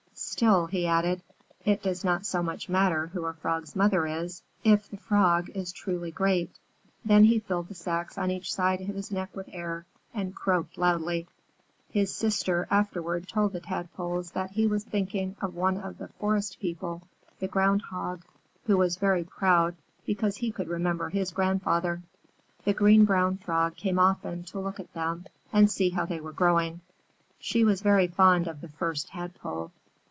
Still," he added, "it does not so much matter who a Frog's mother is, if the Frog is truly great." Then he filled the sacs on each side of his neck with air, and croaked loudly. His sister afterward told the Tadpoles that he was thinking of one of the forest people, the Ground Hog, who was very proud because he could remember his grandfather. The Green Brown Frog came often to look at them and see how they were growing. She was very fond of the First Tadpole.